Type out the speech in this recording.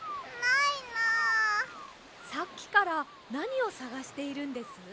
さっきからなにをさがしているんです？